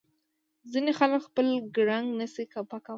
ځینې خلک خپل ګړنګ نه شي پاکولای.